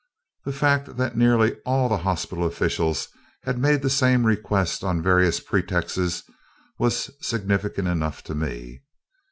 The fact that nearly all the hospital officials had made the same request on various pretexts was significant enough to me.